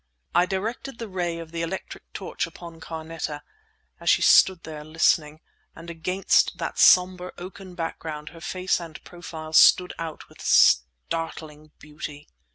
I directed the ray of the electric torch upon Carneta, as she stood there listening, and against that sombre oaken background her face and profile stood out with startling beauty.